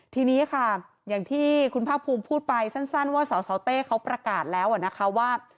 ทีนี้ค่ะอย่างที่คุณภาคภูมิพูดไปสั้นว่าสสเต้เขาประกาศแล้วนะคะว่า